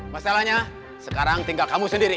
masalahnya sekarang tinggal kamu sendiri